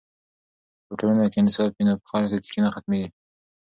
که په ټولنه کې انصاف وي نو په خلکو کې کینه ختمېږي.